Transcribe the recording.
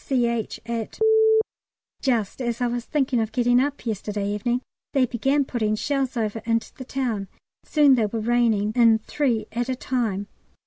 C.H., at . Just as I was thinking of getting up yesterday evening they began putting shells over into the town, and soon they were raining in three at a time.